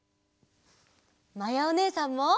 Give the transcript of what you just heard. まやおねえさんも！